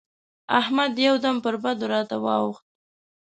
احمد يو دم پر بدو راته واووښت.